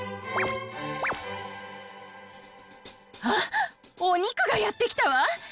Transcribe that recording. あっおにくがやってきたわ！